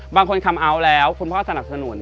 บางคนคัมอัลแล้วคุณพ่อสนับสนุน